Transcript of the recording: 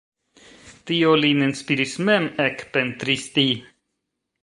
Tio lin inspiris mem ekpentristi.